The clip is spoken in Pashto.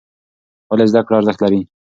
ولې زده کړه ارزښت لري؟